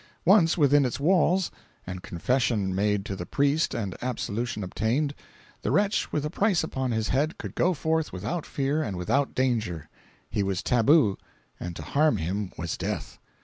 Once within its walls, and confession made to the priest and absolution obtained, the wretch with a price upon his head could go forth without fear and without danger—he was tabu, and to harm him was death.